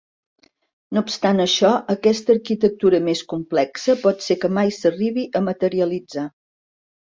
No obstant això, aquesta arquitectura més complexa pot ser que mai s'arribi a materialitzar.